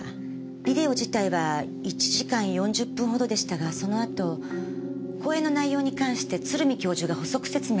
ビデオ自体は１時間４０分ほどでしたがその後講演の内容に関して鶴見教授が補足説明されました。